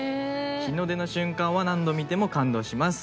日の出の瞬間は何度見ても感動します。